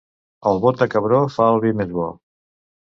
El bot de cabró fa el vi més bo.